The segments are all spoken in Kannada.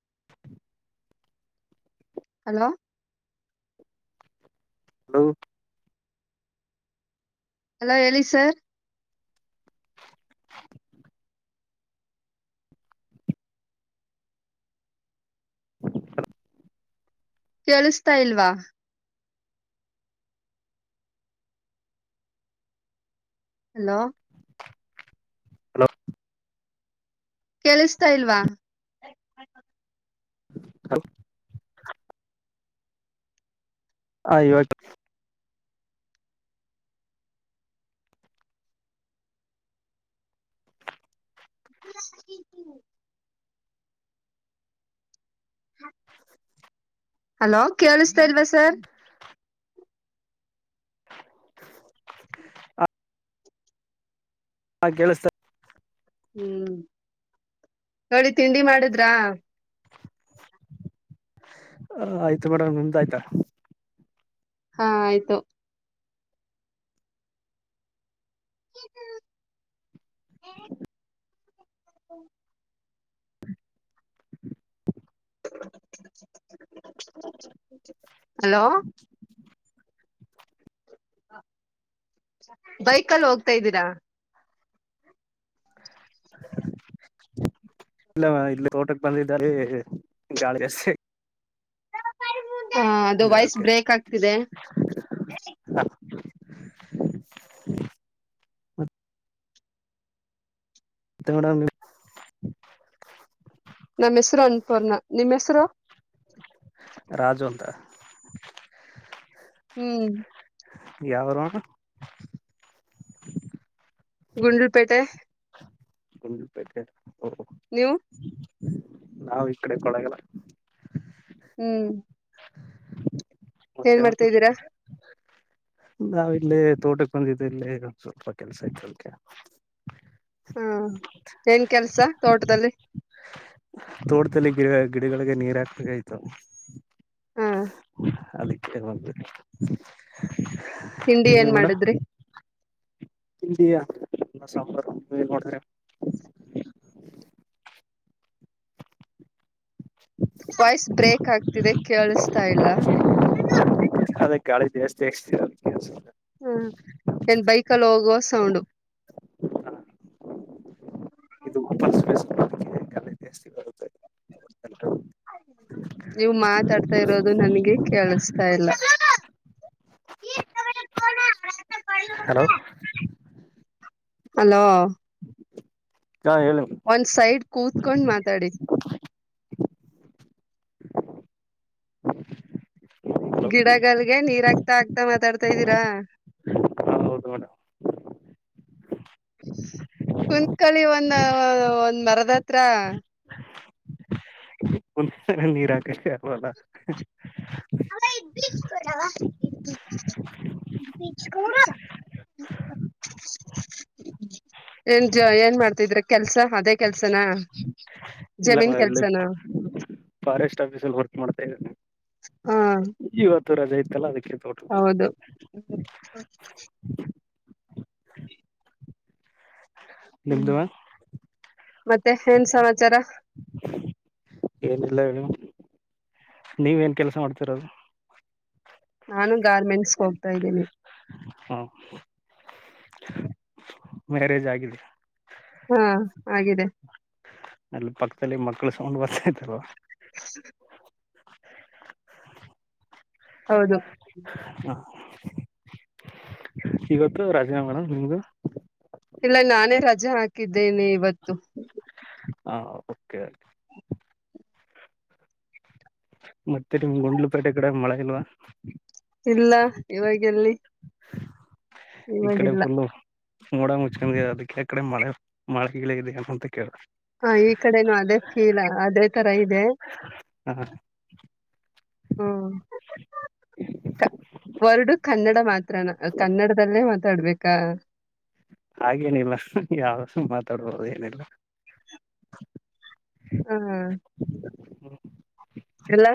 [unintelligible] ಹಲೋ ಹಲೋ ಹಲೋ ಹೇಳಿ ಸರ್ ಕೇಳಿಸತಾ ಇಲ್ವಾ ಹಲೋ ಕೇಳಿಸತಾ ಇಲ್ವಾ ಹಲ ಅಯ್ಯೋ [unintelligible] [inaudible] ಹಲೋ ಕೇಳಿಸತಾ ಇಲ್ವಾ ಸರ್ ಹಾ ಕೇಳಿಸತ ಹ್ಮ್ ನೋಡಿ ತಿಂಡಿ ಮಾಡುದ್ರಾ ಹ ಆಯ್ತು ಮೇಡಮ ನಿಮ್ದ ಆಯ್ತಾ ಹಾ ಆಯ್ತು ಹ ಹಲೋ ಹಾ ಬೈಕಲ್ಲ ಹೋಗ್ತಾ ಇದ್ದೀರಾ [unintelligible] ಇಲ್ಲ ಇಲ್ಲಿ ತೋಟಕ್ ಬಂದಿದ್ದಾರೆ ಗಾಳಿಷ್ಟೆ ಹ ಅದು ಇದೆ ವಾಯ್ಸ್ ಕೆ ಬ್ರೇಕ್ ಆಗ್ತಿದೆ [unintelligible] ತ್ತ ಮಡ ನಾ ಹೆಸರು ಅನ್ಪೋರ್ಣ ನಿಮ್ಮ್ ಹೆಸರು ರಾಜು ಅಂತ ಹ್ಮ್ ಯಾವಾರ ಗುಂಡೂಲ್ಪೇಟೆ ಗುಂಡ್ಲುಪೇಟೆ ಒ ಹವು ನಾವವು ಈ ಕಡೆ ಕೊಳಗಲ್ಲ ಹ್ಮ್ ಏನ್ ಮಾಡ್ತಾದ್ದೀರಾ ನಾವ ಇಲ್ಲಿೇ ತೋಟಕ್ಕೆ ಬಂದಿದ್ದೆ ಇಲ್ಲಿ ಸ್ವಲ್ಪ ಕೆಲ್ಸ ಇತ್ತು ಅದಕೆ ಹ್ಮ ಏನ್ ಕೆಲ್ಸ ತೋಟದಲ್ಲಿ ತೋಟದಲ್ಲಿ ಗಿಡ ಗಿಡಗಳಿಗೆ ನೀರ್ ಹಾಕ್ಬೇಕಯ್ತು ಹಾ ಅದಕ್ಕೆ ಬಂತು ತಿಂಡಿ ಏನ್ ಮಾಡಿದ್ರಿ ಅನ್ನ ಸಾಂಬಾರ್ [unintelligible] ವಾಯ್ಸ್ ಬ್ರೇಕ್ ಆಗ್ತಿದೆ ಕೇಳಿಸತಾ ಇಲ್ಲ ಅದೇ ಗಾಳಿ ಜಾಸ್ತಿ ಹಾಕ್ತತಿರ ಹ್ಮ್ ಏನ್ ಬೈಕ್ ಅಲ್ಲಿ ಹೋಗುವ ಸೌಂಡ ಇದು ಓಪನ್ ಸ್ಪೇಸ್ ಕಲೆ ಜಾಸ್ತಿ ಬರುತ್ತೆ ನೀವು ಮಾತಾಡ್ತಾ ಇರೋದು ನನ್ಗೆ ಕೇಳಿಸತಾ ಇಲ್ಲ [unintelligible] ಹಲೋ ಹಲೋ ಹಾ ಹೇಳಿ ಒನ್ ಸೈಡ್ ಕೂತ್ಕೊಂಡ್ ಮಾತಾಡಿ ಹಲೋ ಗಿಡಗಳಲ್ಗೆ ನೀರಾಗಗ್ತಾ ಆಗ್ತಾ ಮಾತಾಡ್ತಾ ಇದ್ದೀರಾ [inaudible] ಹ ಹೌದು ಮೇಡಮ್ ಕುಂತ್ಕಳಿ ಒಂದ ಒಂದ್ ಮರದ ಹತ್ರ ಮುಂದ ನೀರಾಕವಲ್ಲ ಹ ಇದರ ಸ್ಕ ಏನ್ಜ ಏನ್ ಮಾಡ್ತಿದ್ರ ಕೆಲ್ಸ ಅದೇ ಕೆಲ್ಸನ ಇಲ್ಲವಾ ಇಲ್ಲಿ ಫಾರೆಸ್ಟ್ ಆಫೀಸ್ಲ್ಲಿ ವರ್ಕ್ ಮಾಡ್ತಾ ಇದ್ದೇನೆ ಹಾ ಇತ್ತು ರಜೆ ಇತ್ತಲ್ಲ ಅದಕ್ಕೆ ತೋಟ ಹೌದು ಹ್ಮ್ ನಿದುವಾ ಮತ್ತೆ ಏನ್ ಸಮಾಚಾರ ಏನಿಲ್ಲ ಹೇಳಮ್ ನೀವ ನ್ ಕೆಲ್ಸ ಮಾಡ್ತಿರದು ನಾನು ಗಾರ್ಮೆಂಟ್ಸ್ ಹೋಗ್ತಾ ಇದ್ದೀನಿ ಹ್ಮ ಮ್ಯಾರೇಜ್ ಆಗಿದಿ ಹಾ ಆಗಿದೆ ಅಲ್ಲಿ ಪಕ್ಕದಲ್ಲಿ ಮಕ್ಕಳು ಸೊಂಡ್ ಬರ್ತಾಾಯತಾರವಾ ಹ ಹೌದು ಹ ಇವತ್ತು ರಾಜೀನಾಮೆ ನಿಮ್ದು ಇಲ್ಲ ನಾನೇ ರಜೆ ಹಾಕಿದ್ದೇನೆ ಇವತ್ತು ಹಾ ಕೆ ಮತ್ತೆ ನಿಮ್ ಗುಂಡ್ಲುಪೇಟೆ ಕಡೆ ಮಳೆ ಇಲ್ವಾ ಇಲ್ಲ ಇವಾಗೆಲ್ಲಿ ಇಕಡೆ ಇವಾಗಿಲ್ಲ ಫುಲ್ಲು ಮೋಡ ಮುಚ್ಚಂದ ಅದಕ್ಕೆ ಕಡೆ ಮಳೆ ಮಳೇಳದೆ ಅ ಅಂತ ಕೇಳ ಹ ಈ ಕಡೆನು ಅದೇ ಫೀಲ ಅದೇ ತರ ಇದೆ ಹ ಹ್ಮ ವರ್ಡ್ ಕನ್ನಡ ಮಾತ್ರಣ ಕನ್ನಡದಲ್ಲೇ ಮಾತಾಡ್ಬೇಕಾ ಹಾಗೇನಿಲ್ಲ ಯಾವ ಮಾತಾಡ್ಬೋದು ಏನಿಲ್ಲ ಹ್ಮ್ ಎಲ್ಲಾ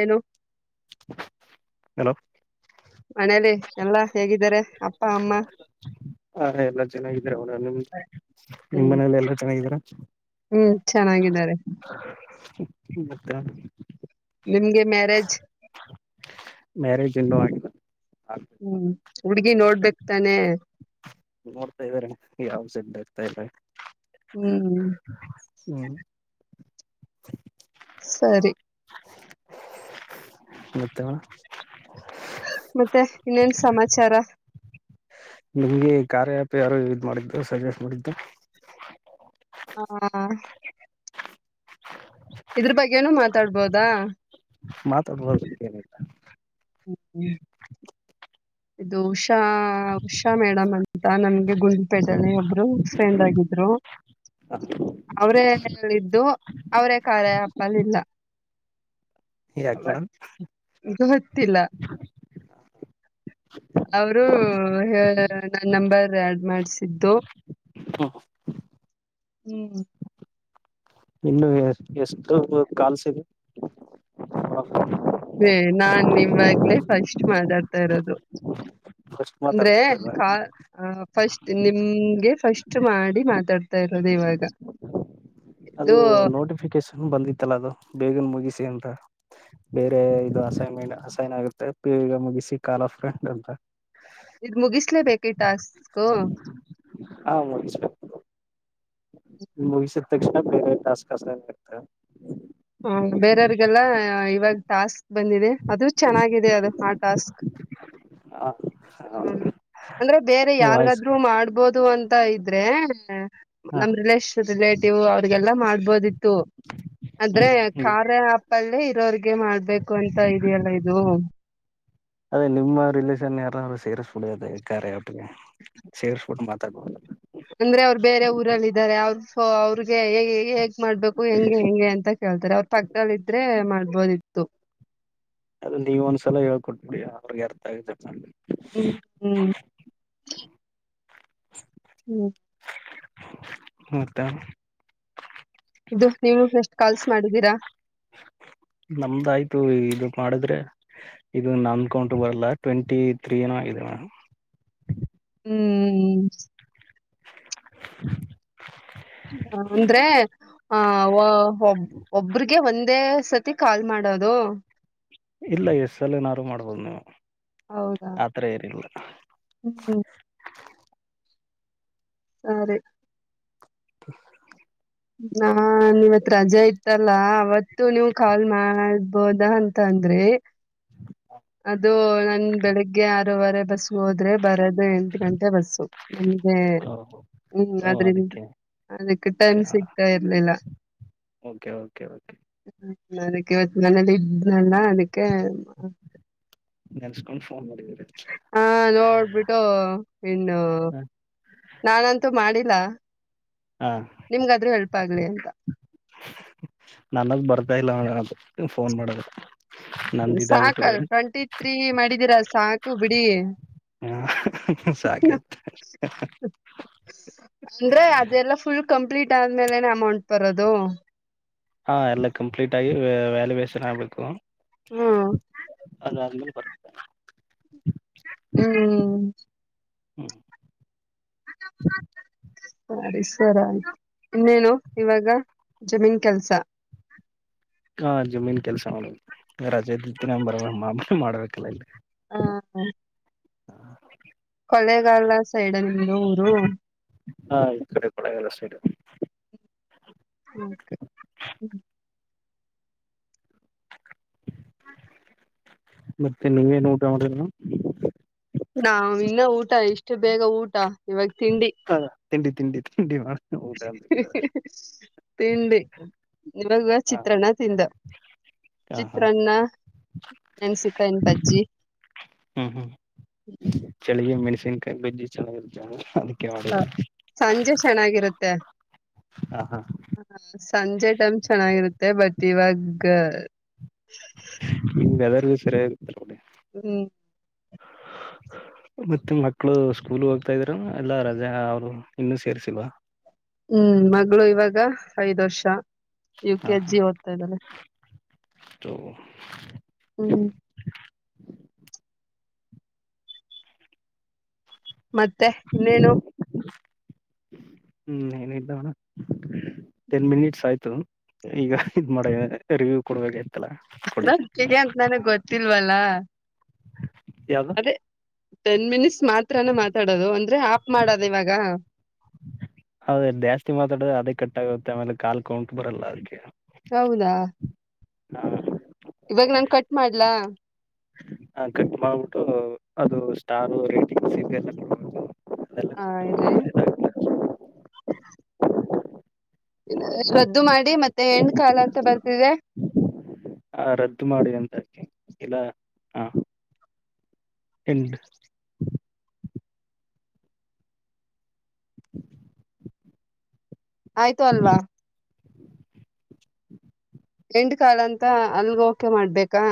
ಏನು ಹಲೋ ಮನೇಲಿ ಎಲ್ಲಾ ಹೇಗಿದ್ದಾರೆ ಅಪ್ಪ ಅಮ್ಮ ಹ ಎಲ್ಲಾ ಚೆನ್ನಾಗಿದರ ಅವರ ನಿಮ ನಿಮ್ ಹ್ಮ್ ಮನೇಲಿ ಎಲ್ಲ ಚೆನ್ನಾಗಿದೀರಾ ಹ್ಮ್ ಚೆನ್ನಾಗಿದ್ದಾರೆ ಮತ್ತೆ ನಿಮ್ಗೆ ಮ್ಯಾರೇಜ್ ಇನ್ನು ಆಗಿಲ್ಲ ಹ್ಮ್ ಹುಡ್ಗಿ ನೋಡ್ಬೇಕಕ್ ತಾನೆ ನೋಡ್ತಾ ಇದ್ದಾರೆ ಯಾವು ಸೆಟ್ ಆಗ್ತಿಲ್ಲ ಹ್ಮ್ [inaudible] ಸರಿ ಗೊತ್ತ ವಿಚಾರ ನಿಮ್ಗೆ ಕಾರ್ಯ್ಯಾಪ ಯಾರು ಇ ಮಾಡಿದ್ದು ಸಜೆಸ್ಟ್ ಮಾಡಿದ್ದು ಹಾ ಇದ್ರ ಬಗ್ಗೆನು ಮಾತಾಡ್ಬೋದಾ ಮಾತಾಡಬೌದು ಏನಿಲ್ಲ ಹ್ಮ್ಮ ದೋಷ್ ಹಾ ಉಷಾ ಮೇಡಮ್ ಅಂತ ನಮ್ಗೆ ಗುಂಡ್ಪೇಟೆಯಲ್ಲಿ ಒಬ್ರು ಫ್ರೆಂಡ್ ಆಗಿದ್ರು ಅವರೇಲ್ಲಿದ್ದು ಅವರೇ ಕಾರ್ಯ ಆಪ್ ಲಿಲ್ಲ ಯಾಕ್ ಮೇಡಂ ಗೊತ್ತಿಲ್ಲ ಅವರು ನನ್ನಂಬರ್ ಆಡ್ ಮಾಡಿಸಿದ್ದು ಹ್ಮ್ ಇನ್ನು ಎಷ್ಟು ಕಾಲ್ಸದೆ ಏ ನಾನ್ ನಿಮ್ವಾಗ್ಲೇ ಫಸ್ಟ್ ಮಾತಾಡ್ತಾ ಇರೋದು ಫಸ್ಟ್ ಅಂದ್ರೆ ಮಾತಾಡ್ತಿರ್ಲಿಲ್ಲ ಕಾಲ್ ಹ ಫಸ್ಟ್ ನಿಮ್ಗೆ ಫಸ್ಟ್ ಮಾಡಿ ಮಾತಾಡ್ತಾ ಇರೋದು ಇವಾಗ ಅದು ಇದು ನೋಟಿಫಿಕೇಶನ್ ಬಂದಿತ್ತಲ್ಲ ಅದು ಬೇಗನ್ ಮುಗಿಸಿ ಅಂತ ಬೇರೆ ಇದು ಅಸೈನ್ಮೆಂಟ್ ಅಸೈನ್ ಆಗುತ್ತೆ ಈಗ ಮುಗಿಸಿ ಕಾಲ ಫ್ರೆಂಡ್ ಅಂತ ಇದ್ ಮುಗಿಸ್ಲೇಬೇಕು ಈ ಟಾಸ್ಕು ಹಾ ಮುಗ ಮುಗಿಸಿದ ತಕ್ಷಣ ಬೇರೆ ಟಾಸ್ಕ್ತ ಹ ಬೇರೆಯವ್ರಿಗೆಲ್ಲ ಇವಾಗ ತಾಸ್ತಿ ಬಂದಿದೆ ಅದು ಚೆನ್ನಾಗಿದೆ ಅದು ಆ ಟಾಸ್ಕ್ ಹ್ಮ್ ಹ ಅಂದ್ರೆ ಬೇರೆ ವಾಯ್ಸ್ ಯಾರ್ಗಾದ್ರು ಮಾಡ್ಬೋದು ದು ಅಂತ ಇದ್ರೆ ಹಾ ನಮ ರಿಲಷ ರಿಲೇಟಿವ್ ಅವ್ರಿಗೆಲ್ಲಾ ಮಾಡ್ಬೋದಿತ್ತು ಆದ್ರೆ ಹ್ಮ್ ಹ್ಮ್ ಖಾರೆ ಹಪಳ್ಳಿ ಇರೋಿಗೆ ಮಾಡ್ಬೇಕು ಅಂತ ಇದೆಯಲ್ಲ ಇದು ಅದೇ ನಿಮ್ಮ ರಿಲೇಷನ್ ಯಾರಾದ್ರು ಸೇರಸ್ಬುಡಿ ಅಥಗೇ ಕಾರ್ಯ ಆಪ್ ಗೆ ಸೇರಿಸಬಿಟ್ಟು ಮಾತಾಡಬೌದು ಅಂದ್ರೆ ಅವ್ರು ಬೇರೆ ಊರಲ್ಲ ಇದಾರೆ ಅವರು ಅವರು ಹೇಗ್ ಮಾಡ್ಬೇಕು ಹೆಂಗೆ ಹೆಂಗೆ ಅಂತ ಕೇಳ್ತಾರೆ ಅವ್ರ ಪಕ್ಕದದಲ್ಲಿ ಇದ್ರೆ ಮಾಡ ಬರಿತ್ತು ಅದು ನೀವ ಒಂದ್ಸಲ ಹೇಳ್ಕೊಟ್ಬಿಡಿ ಅವ್ರಿಗೆ ಅರ್ಥ ಆಗ ಹ್ಮ್ ಹ್ಮ್ ಹ್ಮ್ ಹತ್ತ ಇದು ನೀವು ಎಷ್ಟು ಕಾಲ್ಸ್ ಮಾಡಿದ್ದೀರಾ ಹ ನಮ್ದ ಆಯ್ತು ಇದು ಮಾಡಿದ್ರೆ ಇದು ನಮ್ ಕೌಂಟ್ರ ಬರಲ್ಲ ಟ್ವೆಂಟಿ ತ್ರೀತ ಇವಾ ಹ್ಮ್ ಹಾ ಹ ಒ ಒಬ್ರಿಗೆ ಒಂದೇ ಸತಿ ಕಾಲ್ ಮಾಡೋದು ಇಲ್ಲ ಎಸ್ಸಲ್ಲನಾರು ಮಾಡ್ಬೋದು ನೀವು ಹೌದಾ ಆತರ ಏನಿಲ್ಲ ಹ್ಮ್ ಹ್ಮ್ ಸರಿ ಹ ನಾ ನೀವತ್ ರಜೆ ಇತ್ತಲ್ಲ ಅವತ್ತು ನೀವು ಕಾಲ್ ಮಾಡ್ಬೋದ ಅಂತಂದ ಅದು ನನ್ ಬೆಳಗ್ಗೆ ಆರೂವರೆ ಬಸ್ ಹೋದ್ರೆ ಬರದ ಅ ಎಂಟು ಗಂಟೆ ಬಸ್ಸು ನಮಗೆ ಹ್ಮ್ ಓ ಅದ್ರಿಂದ ಅದಕ್ಕೆ ಅದಕ್ಕೆ ಟೈಮ್ ಸಿಗ್ತಾ ಇರ್ಲಿಲ್ಲ ಓಕೆ ಓಕೆ ಓಕೆ ಅದಕ್ಕೆ ಹೊತ್ತು ನನೆಯಲ್ಲಿ ಇದನಲ್ಲ ಅದಕ್ಕೆ ನೆನ್ಸ್ಕೊಂಡ್ ಫೋನ್ ಮಾಡಿದ್ರಿ ಹಾ ನೋಡ್ಬಿಟ್ಟು ಇನ್ನು ನಾನಂತೂ ಮಾಡಿದ್ದ ಹ ನಿಮ್ಗಾದ್ರೂ ಹೆಲ್ಪ್ ಆಗ್ಲಿ ಅಂತ ನನಗ್ ಬರ್ತಾ ಇಲ್ಲ ಫೋನ್ ಮಾಡದ ಸಾಕಲ್ ಟ್ವೆಂಟಿ ತ್ರೀ ಮಾಡಿದೀರ ಸಾಕು ಬಿಡಿ ಹಾ ಸಾಕೆಜ ಅಂದ್ರೆ ಅದೆಲ್ಲ ಫುಲ್ ಕಂಪ್ಲೀಟ್ ಆದ್ಮೇಲೆನೆ ಅಮೌಂಟ್ ಬರೋದು ಹಾ ಎಲ್ಲ ಕಂಪ್ಲೀಟ್ ಆಗಿ ವ್ಯಾಲ್ಯುವೇಷನ್ ಆಗ್ಬೇಕು ಹ್ಮ್ ಬರ್ ಹ್ಮ್ ಹ್ಮ ಸರಿ ಸರಿ ಆಯ್ತು ಇನ್ನೇನು ಇವಾಗ ಜಮೀನ್ ಕೆಲ್ಸ ಹಾ ಜಮೀನ್ ಕೆಲ್ಸ ಮಾಡ ರಜೆ ಇದತಿನ ಬರ ಮಾಮ ಮಾಡ್ಬೇಕಲ್ಲಾ ಇಲ್ಲಿ ಆ ಕೊಲೆೆಗಾಲ ಸೈಡ್ಲ್ಲಿರುವ ಊರು ಹ ಈ ಕಡೆ ಕೊಡಗಲ್ಲ ಸೈಡ್ ಹಕೆ ಹ್ಮ ಮತ್ತೆ ನೀವೇನ್ ಊಟ ಮಾಡ ನಾವ ಇನ್ನ ಊಟ ಇಷ್ಟು ಬೇಗ ಊಟ ಇವಾಗ ಹೌ ತಿಂಡಿ ತಿಂಡಿ ತಿಂಡಿ ಮಾಡ ಊಟ ಅಂತ ಕೇಳಿದ ತಿಂಡ ಇವಾಗ ಹ ಚಿತ್ರಣ ತಿಂದ ಹ ಹಾ ಚಿತ್ರಾನ್ನ ನೆನ್ಸಿಕ ಇನ್ ಬಜ್ಜಿ ಹ್ಮ್ ಹ್ಮ್ ಚಳ ತನ್ಕಿ ಬಜಿ ಚೆನ್ನಾಗಿರುತ್ತೆದು ಹ ಸಂಜೆ ಚೆನ್ನಾಗಿರುತ್ತೆ ಹಾ ಹಾ ಸಂಜೆ ಟೈಮ್ ಚೆನ್ನಾಗಿರುತ್ತೆ ಬಟ್ ಇವಾಗ ಸ ಸರಿರಾಗತರಕೊಂಡ ಹ್ಮ್ ಮತ್ತೆ ಮಕ್ಕಳು ಸ್ಕೂಲ್ ಹೋಗ್ತಾ ಇದ್ರ ಎಲ್ಲ ರಜಾ ಅವರು ಇನ್ನುೂ ಸೇರ್ಸಲ್ಿವ ಹ್ಮ್ ಮಗಳು ಇವಾಗ ಐದ್ ವರ್ಷ ಯು ಕೆ ಎಚ್ ಜಿ ಓದ್ತಾ ಇದಾರೆ ತ ಹ್ಮ್ ಮತ್ತೆ ಇನ್ನೇನು ಹ್ಮ್ ಏನಿದ್ದಾವಣ ಟೆನ್ ಮಿನಿಟ್ಸ್ ಆಯ್ತು ಈಗ ಇದ್ ಮಾಡೇ ರಿವ್ಯೂ ಕೊಡ್ಬೇಕ ನ ಹಗೆ ಅಂತ ನನಗ್ ಗೊತ್ತಿಲ್ವಲ್ಲ ಯಾಗ ಅದೇ ಟೆನ್ ಮಿನಿಟ್ಸ್ ಮಾತ್ರಾನ ಮಾತಾಡೋದು ಅಂದ್ರೆ ಆಫ ಮಾಡದು ಇವಾಗ ಹೌದ ಜಾಸ್ತಿ ಮಾತಾಡ್ರೆ ಅದೇ ಕಟ್ಾಗುತ್ತೆ ಆಮೇಲೆ ಕಾಲ್ ಕೌಂಟಟ್ ಬರಲ್ಲ ಅದಕ್ಕೆ ಹೌದಾ ಹಾ ಇವಾಗ ನಾನ್ ಕಟ್ ಮಾಡ್ಲ ಹ ಕಟ್ ಮಾಡ್ಬಿಟ್ಟು ಅದು ಸ್ಟಾರ ರೇಟಿಂಗ್ ಹಾ ಇದೆೇ ರದ್ದು ಮಾಡಿ ಮತ್ತೆ ಹೆಣ ಕಾಲ ಅಂತ ಬರ್ತಿದೆ ಹಾ ರದ್ದು ಮಾಡಿ ಅಂತ ಇಲ್ಲ ಹಾ ಎಂಡ [inaudible] ಆಯ್ತು ಅಲ್ವಾ [inaudible] ಎಂಟು ಕಾಲ ಅಂತ ಅಲ್ಗ ಓಕೆ ಮಾಡ್ಬೇಕಾ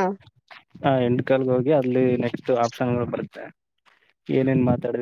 ಹಾ ಹೆಂಡಟ್ ಕಾಲ್ ಹೋಗಿ ಅಲ್ಲಿ ನೆಕ್ಸ್ಟ್ ಆಪ್ಷನ್ಗಳು ಬರುತ್ತೆ ಏನೇನ್ ಮಾತಾಡ್ರಿ